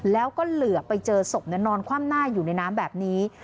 แล้วก็เหลือไปเจอศพนอนคว่ำหน้าอยู่ในน้ำแบบนี้